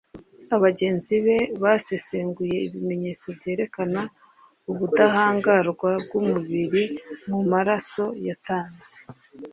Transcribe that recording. Abagenzi be basesenguye ibimenyetso byerekana ubudahangarwa bw'umubiri mu maraso yatanzwe